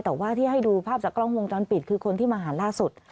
แต่ว่าที่ให้ดูภาพจากกล้องวงจรปิดคือคนที่มาหาล่าสุด